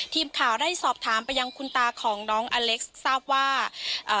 ทีมข่าวได้สอบถามไปยังคุณตาของน้องอเล็กซ์ทราบว่าเอ่อ